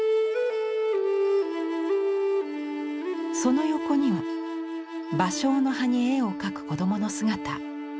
その横には芭蕉の葉に絵を描く子供の姿。